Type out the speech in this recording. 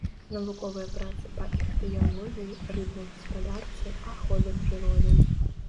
Навуковыя працы па іхтыялогіі, рыбнай гаспадарцы, ахове прыроды.